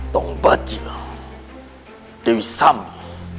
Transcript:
tiong bajil dewi sambi